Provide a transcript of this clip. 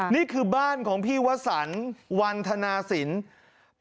นี่คือบ้านของพี่วสันวันธนาศิลป์